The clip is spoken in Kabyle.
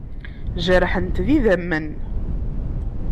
Jerḥent d idammen.